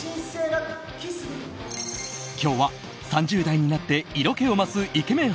今日は３０代になって色気を増すイケメン